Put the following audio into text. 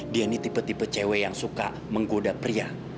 dia ini tipe tipe cw yang suka menggoda pria